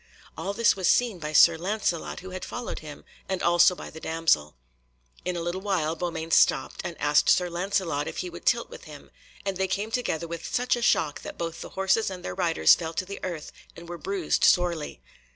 All this was seen by Sir Lancelot, who had followed him, and also by the damsel. In a little while Beaumains stopped, and asked Sir Lancelot if he would tilt with him, and they came together with such a shock that both the horses and their riders fell to the earth and were bruised sorely.